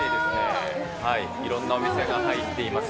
いろんなお店が入っています